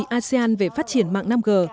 các nước asean về phát triển mạng năm g